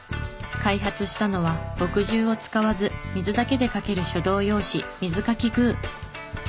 開発したのは墨汁を使わず水だけで書ける書道用紙水書きグー。